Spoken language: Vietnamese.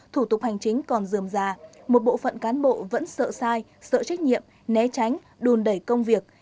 thủ tục hành chính còn dườm già một bộ phận cán bộ vẫn sợ sai sợ trách nhiệm né tránh đùn đẩy công việc